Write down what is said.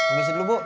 ini dulu bu